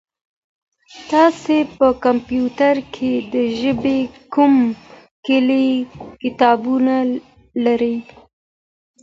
تاسي په کمپیوټر کي د ژبې کوم کلي کتابونه لرئ؟